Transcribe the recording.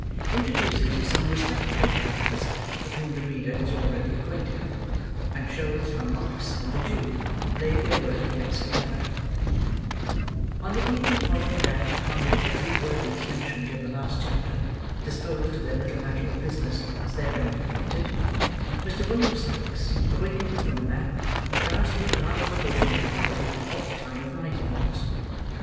INTRODUCES SOME RESPECTABLE CHARACTERS WITH WHOM THE READER IS ALREADY ACQUAINTED, AND SHOWS HOW MONKS AND THE JEW LAID THEIR WORTHY HEADS TOGETHER On the evening following that upon which the three worthies mentioned in the last chapter, disposed of their little matter of business as therein narrated, Mr. William Sikes, awakening from a nap, drowsily growled forth an inquiry what time of night it was.